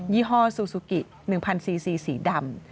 ยี่ห้อซูซูกิหนึ่งพันซีสีสีดำ